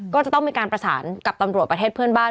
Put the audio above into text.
ก็จะต้องมีการประสานกับตำรวจประเทศเพื่อนบ้าน